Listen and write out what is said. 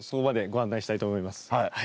はい。